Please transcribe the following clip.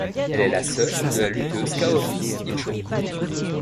Elle est la sœur de la lutteuse Kaori Ichō.